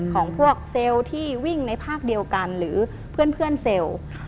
ของพวกเซลล์ที่วิ่งในภาคเดียวกันหรือเพื่อนเซลล์